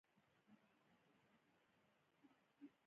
لومړی ځان ته نظم جوړ کړه، ستراتیژي ولره،